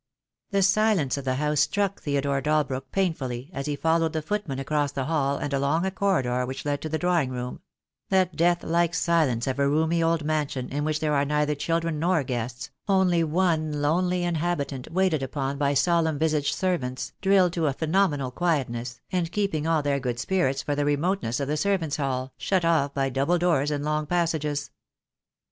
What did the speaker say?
The silence of the house struck Theodore Dalbrook painfully as he followed the footman across the hall and along a corridor which led to the drawing room — that death like silence of a roomy old mansion in wrhich there are neither children nor guests, only one lonely inhabitant waited upon by solemn visaged servants, drilled to a phenomenal quietness, and keeping all their good spirits for the remoteness of the servants' hall, shut off by double doors and long passages.